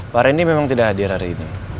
pak reni memang tidak hadir hari ini